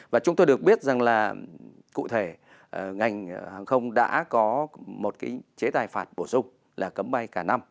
và chúng tôi được biết rằng là cụ thể ngành hàng không đã có một cái chế tài phạt bổ sung là cấm bay cả năm